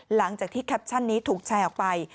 หลังจากที่แคปชั่นนี้ถูกแชร์ออกไป